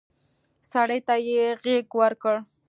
سړي ته يې غېږ ورکړه.